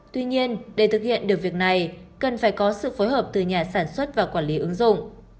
tuy nhiên để thực hiện được việc này cần phải có sự phối hợp từ nhà sản xuất và quản lý ứng dụng